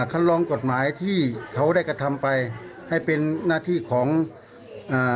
คำลองกฎหมายที่เขาได้กระทำไปให้เป็นหน้าที่ของอ่า